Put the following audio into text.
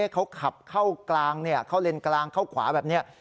เขาขับเข้ากลางเข้าเลนกลางเข้าขวาแบบนี้